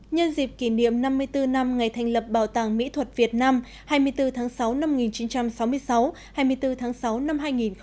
nhân dịp kỷ niệm năm mươi bốn năm ngày thành lập bảo tàng mỹ thuật việt nam hai mươi bốn tháng sáu năm một nghìn chín trăm sáu mươi sáu hai mươi bốn tháng sáu năm hai nghìn một mươi chín